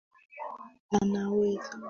Unaweza soma na ufanye kazi kwa wakati mmoja